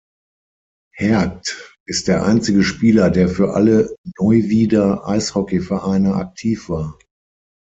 Hergt ist der einzige Spieler, der für alle Neuwieder Eishockeyvereine aktiv war.